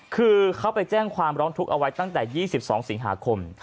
คือเขาไปแจ้งความร้องทุกข์เอาไว้ตั้งแต่๒๒สิงหาคม